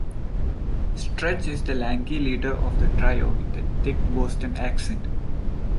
Stretch is the lanky leader of the Trio with a thick Boston accent.